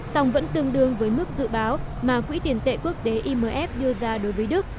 song vẫn tương đương với mức dự báo mà quỹ tiền tệ quốc tế imf đưa ra đối với đức